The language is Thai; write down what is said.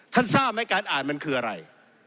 ทราบไหมการอ่านมันคืออะไร